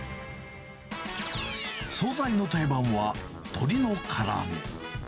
総菜の定番は、鶏のから揚げ。